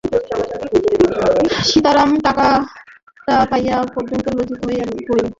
সীতারাম টাকাটা পাইয়া অত্যন্ত লজ্জিত হইয়া পড়িল।